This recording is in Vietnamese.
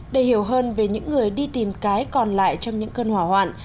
để hiểu hơn về những người đi tìm cái còn lại trong những cơn hỏa hoạn